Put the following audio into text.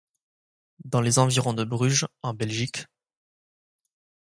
Dans les environs de Bruges, en Belgique.